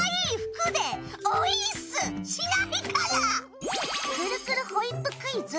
くるくるホイップクイズ。